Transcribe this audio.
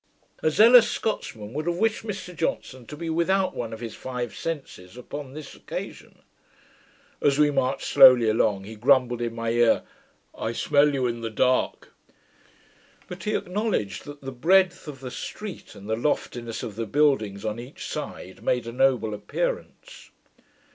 A zealous Scotsman would have wished Mr Johnson to be without one of his five senses upon this occasion. As we marched slowly along, he grumbled in my ear, 'I smell you in the dark!' But he acknowledged that the breadth of the street, and the loftiness of the buildings on each side, made a noble appearance.